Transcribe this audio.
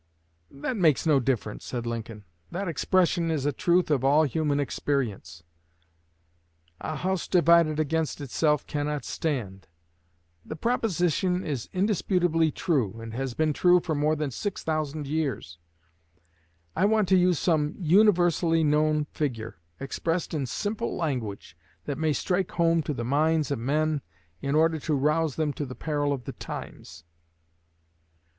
"That makes no difference," said Lincoln. "That expression is a truth of all human experience, 'a house divided against itself cannot stand.' The proposition is indisputably true, and has been true for more than six thousand years; I want to use some universally known figure, expressed in simple language, that may strike home to the minds of men in order to rouse them to the peril of the times."